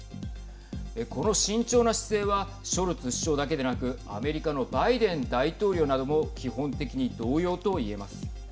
この慎重な姿勢はショルツ首相だけでなくアメリカのバイデン大統領なども基本的に同様と言えます。